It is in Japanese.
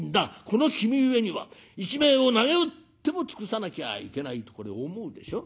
この君上には一命をなげうっても尽くさなきゃいけない』とこれ思うでしょ？